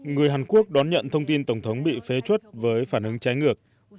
người hàn quốc đón nhận thông tin tổng thống bị phế chuất với phản ứng trái ngược